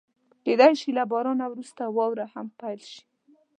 کېدای شي له بارانه وروسته واوره هم پيل شي.